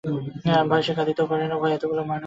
ভয়ে সে কাঁদিতেও পারে না, ঘরে এতগুলি মানুষ।